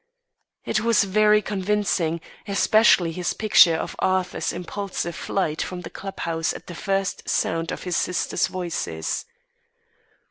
It was very convincing, especially his picture of Arthur's impulsive flight from the club house at the first sound of his sisters' voices.